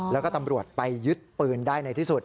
แล้วก็ตำรวจไปยึดปืนได้ในที่สุด